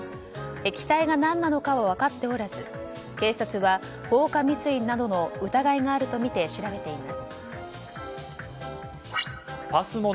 液体が何なのかは分かっておらず警察は放火未遂などの疑いがあるとみて調べています。